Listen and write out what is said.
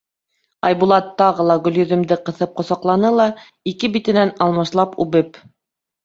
Айбулат тағы ла Гөлйөҙөмдө ҡыҫып ҡосаҡланы ла, ике битенән алмашлап үбеп: